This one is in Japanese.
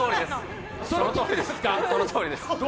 そのとおりです。